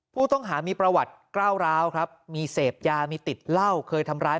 ผู้ต้องหามีประวัติก้าวร้าวครับมีเสพยามีติดเหล้าเคยทำร้าย